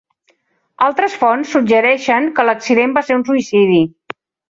Altres fonts suggereixen que l'accident va ser un suïcidi.